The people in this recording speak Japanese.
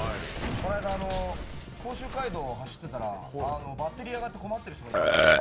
この間、甲州街道走ってたらバッテリー上がって困っている人がいたんですよ。